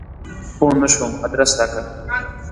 پوه نه شوم ادرس راکړه !